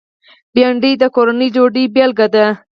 بېنډۍ د کورني ډوډۍ بېلګه ده